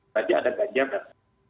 saja ada ganjaran